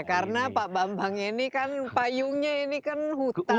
karena pak bambang ini kan payungnya ini kan hutan